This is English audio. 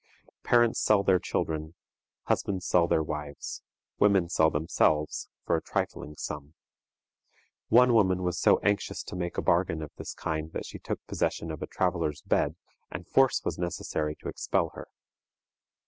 Parents sell their children, husbands sell their wives, women sell themselves, for a trifling sum. One woman was so anxious to make a bargain of this kind that she took possession of a traveler's bed, and force was necessary to expel her.